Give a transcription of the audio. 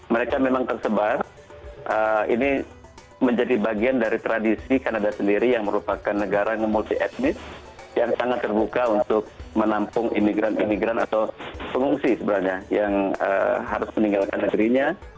mereka memang tersebar ini menjadi bagian dari tradisi kanada sendiri yang merupakan negara yang multi etnis yang sangat terbuka untuk menampung imigran imigran atau pengungsi sebenarnya yang harus meninggalkan negerinya